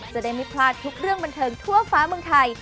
จะได้ไม่พลาดทุกเรื่องบันเทิงทั่วฟ้าเมืองไทย